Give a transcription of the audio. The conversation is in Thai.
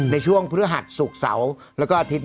ในช่วงเพื่อหัดศูกษาล